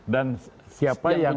dan siapa yang paling